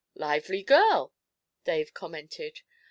'Lively girl!' Dave commented.